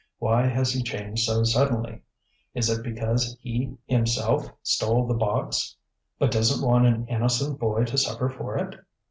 Why has he changed so suddenly? Is it because he himself stole the box but doesn't want an innocent boy to suffer for it?